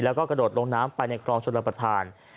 แล้วก็กระโดดลงน้ำไปในคลองชนรับประทาน